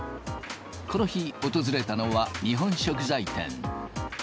この日、訪れたのは日本食材店。